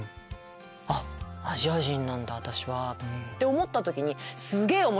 あっアジア人なんだ私は！って思った時に。